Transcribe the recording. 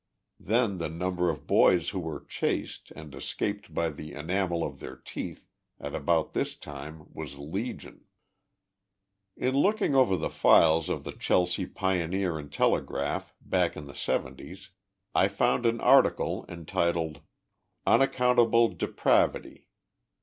Then the number of boys who were 4 chased,' and escaped by the enamel of their teeth, at about this time, was legion." In looking over the files of the Chelsea Pioneer and Tele graph, back in the seventies, I found an article, entitled L nac countable Depravity."